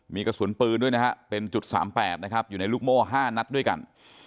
มีกระสุนปืนด้วยนะฮะเป็นจุด๓๘นะครับอยู่ในลูกโม่๕นัดด้วยกัน